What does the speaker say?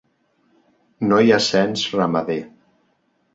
No hi ha cens ramader.